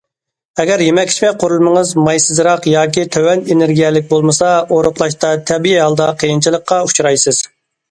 ئەگەر يېمەك- ئىچمەك قۇرۇلمىڭىز مايسىزراق ياكى تۆۋەن ئېنېرگىيەلىك بولمىسا ئورۇقلاشتا تەبىئىي ھالدا قىيىنچىلىققا ئۇچرايسىز.